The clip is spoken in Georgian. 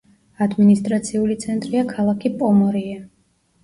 ადმინისტრაციული ცენტრია ქალაქი პომორიე.